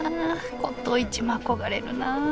骨董市も憧れるなあ